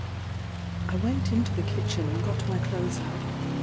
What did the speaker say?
] I went into the kitchen and got my clothes out.